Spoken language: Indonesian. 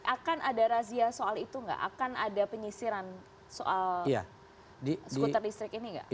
akan ada razia soal itu nggak akan ada penyisiran soal skuter listrik ini nggak